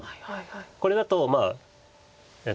これだとまあ。